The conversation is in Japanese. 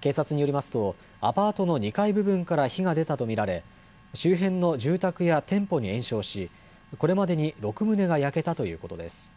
警察によりますとアパートの２階部分から火が出たと見られ、周辺の住宅や店舗に延焼しこれまでに６棟が焼けたということです。